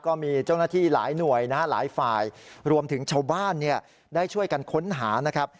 ก็มีเจ้าหน้าที่หลายหน่วยนะฮะหลายฝ่ายรวมถึงชาวบ้านเนี่ยได้ช่วยกันค้นหานะครับ